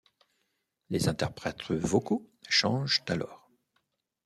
Les interprètes vocaux changent alors.